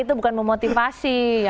itu bukan memotivasi